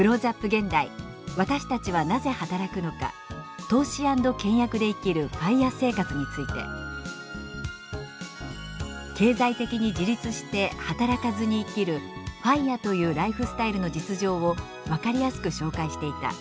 現代「私たちはなぜ働くのか投資＆倹約で生きるＦＩＲＥ生活」について「経済的に自立して働かずに生きるＦＩＲＥというライフスタイルの実情を分かりやすく紹介していた」